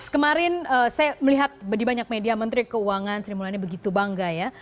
kemarin saya melihat di banyak media menteri keuangan sri mulyani begitu bangga ya